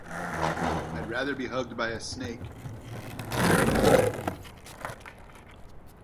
I’d rather be hugged by a snake.